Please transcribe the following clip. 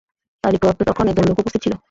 তার নিকট তখন একদল লোক উপস্থিত ছিল।